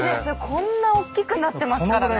こんな大きくなってますからね。